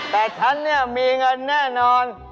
แต่ฉันเนี่ยมีเงินแน่นอน